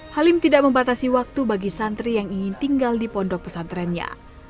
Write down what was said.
halim tidak membatasi waktu bagi santri yang ingin tinggal di pondok pesantrennya